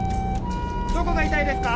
どこが痛いですか？